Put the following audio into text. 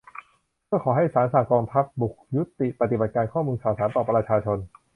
เพื่อขอให้ศาลสั่งกองทัพบกยุติปฏิบัติการข้อมูลข่าวสารต่อประชาชน